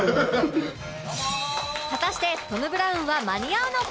果たしてトム・ブラウンは間に合うのか？